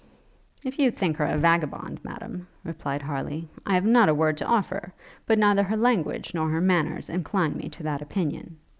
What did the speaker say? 'If you think her a vagabond, Madam,' replied Harleigh, 'I have not a word to offer: but neither her language nor her manners incline me to that opinion.